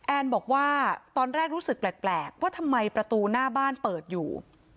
แอนบอกว่าตอนแรกรู้สึกแปลกว่าทำไมประตูหน้าบ้านเปิดอยู่